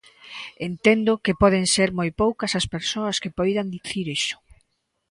Entendo que poden ser moi poucas as persoas que poidan dicir iso.